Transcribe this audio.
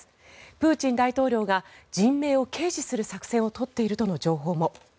プーチン大統領が人命を軽視する作戦を取っているとの情報も。